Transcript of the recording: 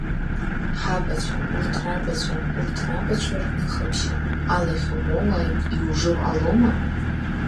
Ҳабацәа, урт рабацәа, урт рабацәа рныха ԥшьа, алахь умоуааит, иужыр ҟалома?